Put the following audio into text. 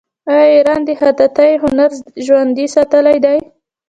آیا ایران د خطاطۍ هنر ژوندی ساتلی نه دی؟